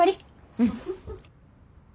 うん。